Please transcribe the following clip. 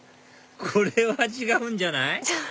これは違うんじゃない？